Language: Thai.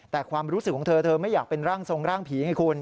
แต่ความรู้สึกของเธอเธอไม่อยากเป็นร่างทรงร่างผีไงคุณ